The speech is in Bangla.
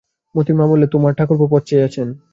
মোতির মা বললে, তোমার ঠাকুরপো পথ চেয়ে আছেন।